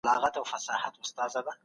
کورټیزول د وینې ګلوکوز زیاتوي.